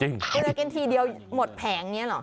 จริงคุณจะกินทีเดียวหมดแผงอย่างนี้เหรอ